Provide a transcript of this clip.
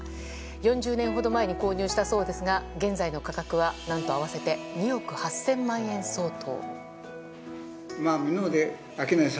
４０年ほど前に購入したそうですが現在の価格は何と合わせて２億８０００万円相当。